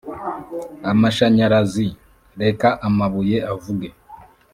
amashanyarazi? reka amabuye avuge